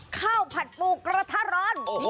ข้าวผัดปูกระทะรอน